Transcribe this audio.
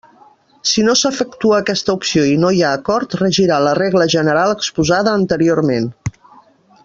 Si no s'efectua aquesta opció i no hi ha acord regirà la regla general exposada anteriorment.